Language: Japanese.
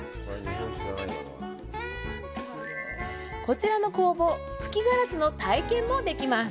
こちらの工房吹きガラスの体験もできます